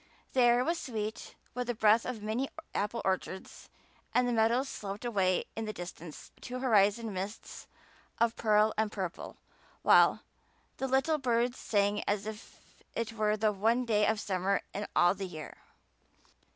The air was sweet with the breath of many apple orchards and the meadows sloped away in the distance to horizon mists of pearl and purple; while "The little birds sang as if it were The one day of summer in all the year."